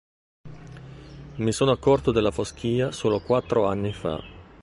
Mi sono accorto della foschia solo quattro anni fa.